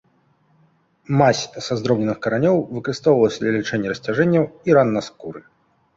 Мазь са здробненых каранёў выкарыстоўвалася для лячэння расцяжэнняў і ран на скуры.